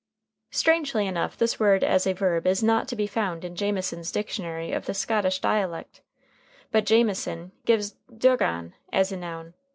Strangely enough, this word as a verb is not to be found in Jamieson's dictionary of the Scottish dialect, but Jamieson gives "dugon" as a noun.